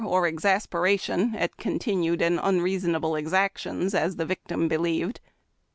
I57 or exasperation at continued and unreasonable exactions, as the victim believed.